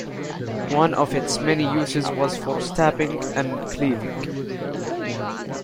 One of its many uses was for stabbing and cleaving.